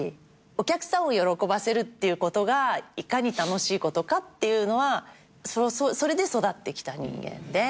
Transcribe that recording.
お客さんを喜ばせるってことがいかに楽しいことかっていうのはそれで育ってきた人間で。